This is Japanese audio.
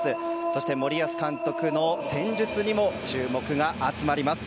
そして森保監督の戦術にも注目が集まります。